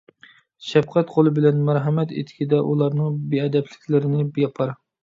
شەپقەت قولى بىلەن مەرھەمەت ئېتىكىدە ئۇلارنىڭ بىئەدەپلىكلىرىنى ياپار.